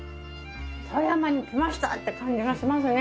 富山に来ましたって感じがしますね